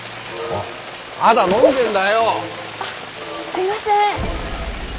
あっすいません。